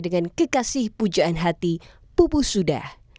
dengan kekasih pujaan hati pupusudah